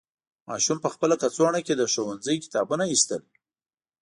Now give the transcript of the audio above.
ماشوم په خپل کڅوړه کې د ښوونځي کتابونه ایستل.